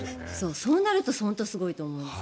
そうなると本当にすごいと思いますね。